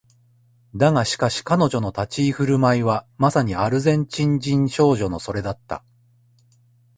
だがしかし彼女の立ち居振る舞いはまさにアルゼンチン人少女のそれだった